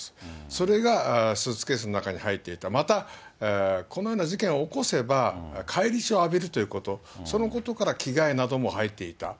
それがスーツケースの中に入っていた、また、このような事件を起こせば返り血を浴びるということ、そのことから着替えなども入っていた。